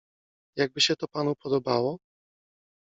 Jak by się to panu podobało?